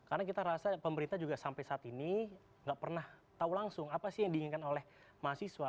karena kita rasa pemerintah juga sampai saat ini nggak pernah tahu langsung apa sih yang diinginkan oleh mahasiswa